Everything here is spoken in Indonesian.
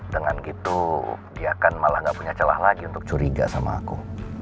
dengan gitu dia kan malah gak punya celah lagi untuk curiga sama aku